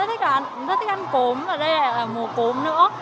rất thích ăn cốm và đây lại là mùa cốm nữa